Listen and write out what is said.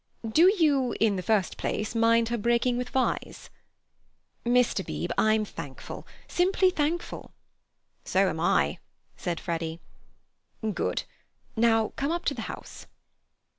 Do you, in the first place, mind her breaking with Vyse?" "Mr. Beebe, I'm thankful—simply thankful." "So am I," said Freddy. "Good. Now come up to the house."